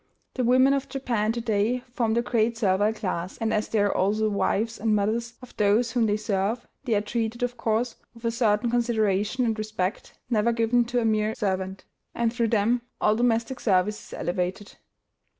The women of Japan to day form the great servile class, and, as they are also the wives and mothers of those whom they serve, they are treated, of course, with a certain consideration and respect never given to a mere servant; and through them, all domestic service is elevated.